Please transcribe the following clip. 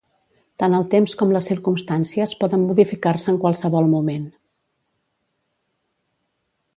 Tant el temps com les circumstàncies poden modificar-se en qualsevol moment.